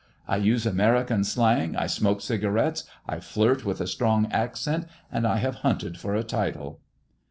" I use American slang, I smoke cigarettes, [ flirt with a strong accent, and I have hunted for a title."